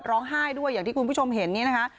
ร้องไห้ด้วยอย่างที่คุณผู้ชมเห็นนี่นะคะ